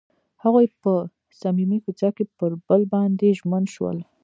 هغوی په صمیمي کوڅه کې پر بل باندې ژمن شول.